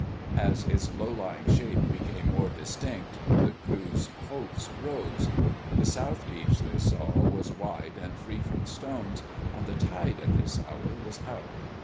As its low lying shape became more distinct, the crew's hopes rose. The south beach, they saw, was wide and free from stones, and the tide at this hour was out.